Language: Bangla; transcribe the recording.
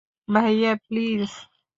ভাইয়া, প্লিজ।